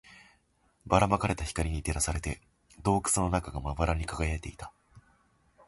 ばら撒かれた光に照らされて、洞窟の中がまばらに輝いていた